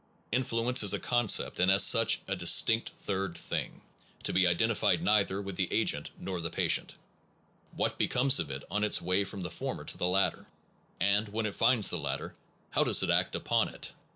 Influence is a concept, and, as such, a distinct third thing, to be identified neither with the agent nor the patient. What becomes of it on its way from the former to the latter? And when it finds the latter, how does it act upon it?